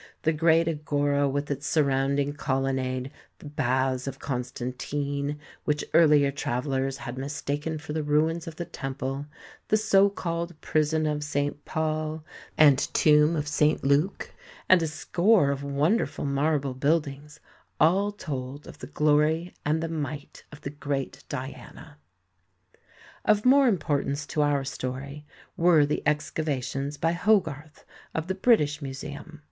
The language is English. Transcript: The great agora with its surrounding colonnade, the baths of Constantine, which earlier travellers had mistaken for the ruins of the temple, the so called Prison of St. Paul, and Tomb of St. Luke, and a score of wonderful marble buildings, all told of the glory and the might of the great Diana. Of more importance to our story were the excavations by Hogarth of the British Museum.